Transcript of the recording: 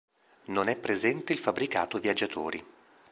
Non è presente il fabbricato viaggiatori.